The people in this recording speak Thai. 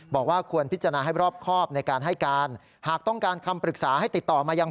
บอกว่าควรพิจารณาให้รอบครอบในการให้การหากต้องการคำปรึกษาให้ติดต่อมายัง